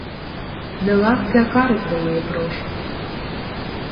Не ласки, а кари твоєї прошу!